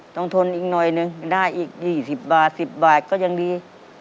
ทนอีกหน่อยนึงได้อีก๒๐บาท๑๐บาทก็ยังดี